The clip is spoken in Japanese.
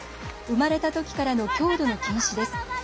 生まれたときからの強度の近視です。